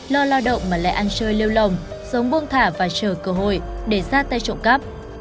lo lao động mà lại ăn chơi lêu lồng sống buông thả và chờ cơ hội để ra tay trộm cắp